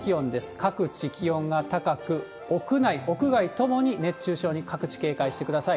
各地気温が高く、屋内、屋外ともに熱中症に各地警戒してください。